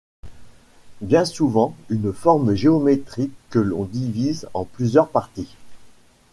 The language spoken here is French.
Bien souvent une forme géométrique que l'on divise en plusieurs parties.